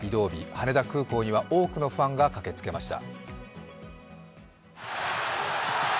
羽田空港には多くのファンが駆けつけました。